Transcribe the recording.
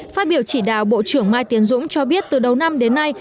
phát biểu chỉ đạo bộ trưởng mai tiến dũng cho biết từ đầu năm đến nay